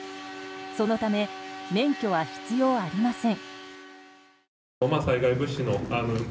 そのため免許は必要ありません。